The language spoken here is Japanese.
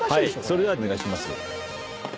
それではお願いします。